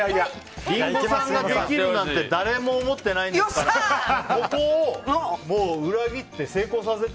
リンゴさんができるなんて誰も思ってないんですからここを裏切って成功させて。